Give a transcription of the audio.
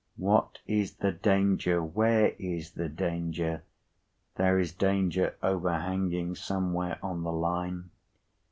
"What is the danger? Where is the danger? There is danger overhanging, somewhere on the Line.